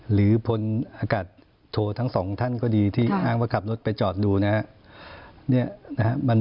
หรือพลอากาศโททั้งสองท่านก็ดีที่อ้างว่าขับรถไปจอดดูนะครับ